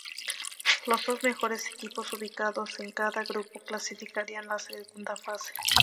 Los dos mejores equipos ubicados en cada grupo clasificarían a la segunda fase.